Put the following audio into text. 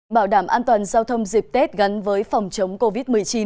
bảo đảm an toàn giao thông dịp tết gắn với phòng chống covid một mươi chín